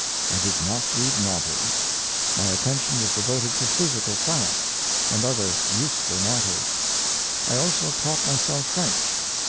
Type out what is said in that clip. I did not read novels; my attention was devoted to physical science, and other useful mat ters. I also taught myself French.